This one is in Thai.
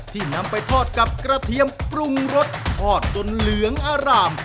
นำไปทอดกับกระเทียมปรุงรสทอดจนเหลืองอร่าม